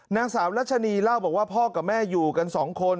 นางสาวรัชนีเล่าบอกว่าพ่อกับแม่อยู่กันสองคน